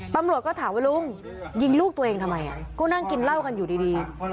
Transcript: ตำรวจก็ถามว่าลุงยิงลูกตัวเองทำไมก็นั่งกินเหล้ากันอยู่ดี